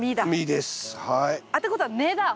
ってことは根だ！